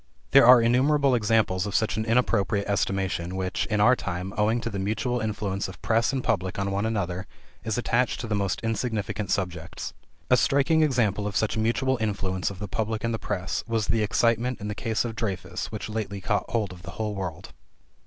There are innumerable examples of such an inappropriate estimation which, in our time, owing to the mutual influence of press and public on one another, is attached to the most insignificant subjects. A striking example of such mutual influence of the public and the press was the excitement in the case of Dreyfus, which lately caught hold of the whole world.